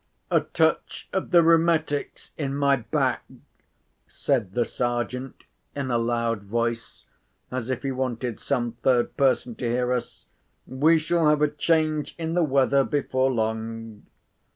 "A touch of the rheumatics in my back," said the Sergeant, in a loud voice, as if he wanted some third person to hear us. "We shall have a change in the weather before long."